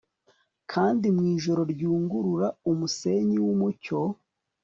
Kandi mwijoro ryungurura umusenyi wumucyo